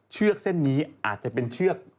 เชือกเส้นนี้อาจจะเป็นเชือก